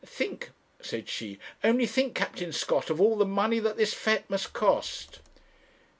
'Think,' said she, 'only think, Captain Scott, of all the money that this fête must cost.'